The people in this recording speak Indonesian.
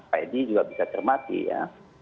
pak edi juga bisa cermati ya